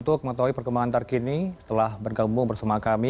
untuk mengetahui perkembangan terkini setelah bergembung bersama kami